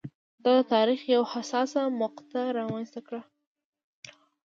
دا د تاریخ یوه حساسه مقطعه رامنځته کړه.